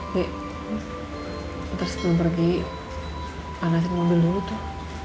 yuk nanti sebelum pergi panasin mobil dulu tuh